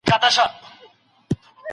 ځینو پوهانو دا نومونه ورته ګڼلي دي.